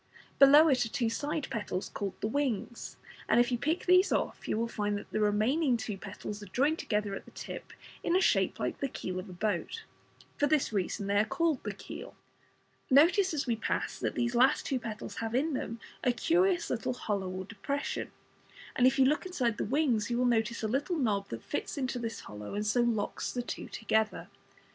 Below it are two side petals called the "wings," and if you pick these off you will find that the remaining two petals are joined together at the tip in a shape like the keel of a boat. For this reason they are called the "keel". Notice as we pass that these two last petals have in them a curious little hollow or depression, and if you look inside the "wings" you will notice a little knob that fits into this hollow, and so locks the two together.